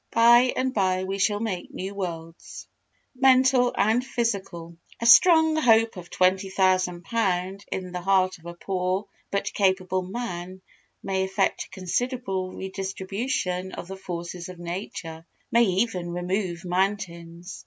By and by we shall make new worlds. Mental and Physical A strong hope of £20,000 in the heart of a poor but capable man may effect a considerable redistribution of the forces of nature—may even remove mountains.